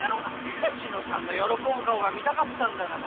千乃さんの喜ぶ顔を見たかったんだがな。